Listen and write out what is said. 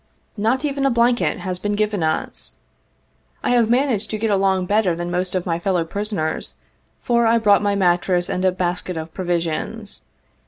Not even a blanket has been given us. I have managed to get along better than most of my fellow prisoners, for I brought my mattress and a basket of provisions.